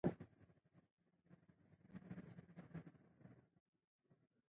ملالۍ وویل چې خال به پر وینو کښېږدم.